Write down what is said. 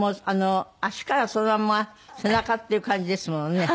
足からそのまんま背中っていう感じですものね。